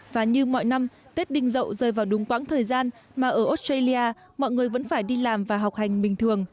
và như mọi năm tết đinh dậu rơi vào đúng quãng thời gian mà ở australia mọi người vẫn phải đi làm và học hành bình thường